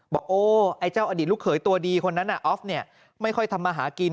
บอกโอ้ไอ้เจ้าอดีตลูกเขยตัวดีคนนั้นออฟเนี่ยไม่ค่อยทำมาหากิน